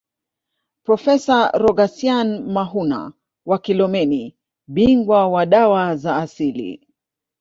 Profesa Rogasian Mahuna wa Kilomeni bingwa wa dawa za asili